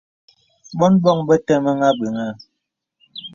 Bōn bǒŋ be təməŋhe àbəŋhə.